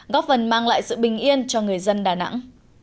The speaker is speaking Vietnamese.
góp phần mang lại sự bình yên cho người dân đà nẵng